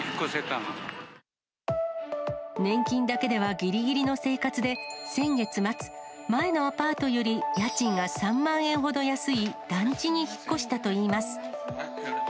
年金だけではぎりぎりの生活で、先月末、前のアパートより家賃が３万円ほど安い団地に引っ越したといいます。